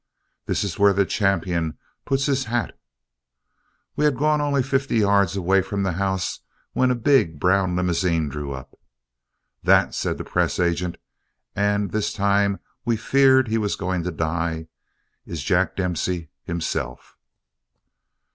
This is where the champion puts his hat." We had gone only fifty yards away from the house when a big brown limousine drew up. "That," said the press agent, and this time we feared he was going to die, "is Jack Dempsey himself."